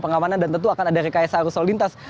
pengamanan dan tentu akan ada rekayasa arusol lintas